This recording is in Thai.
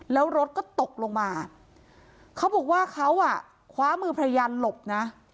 แล้วรถก็ตกลงมาเขาบอกว่าเขาอ่ะคว้ามือภรรยาหลบนะ